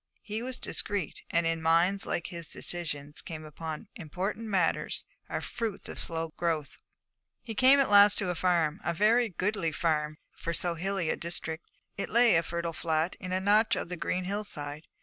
He was discreet, and in minds like his decisions upon important matters are fruits of slow growth. He came at last to a farm, a very goodly farm for so hilly a district. It lay, a fertile flat, in a notch of the green hillside.